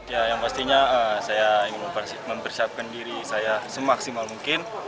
ya yang pastinya saya ingin mempersiapkan diri saya semaksimal mungkin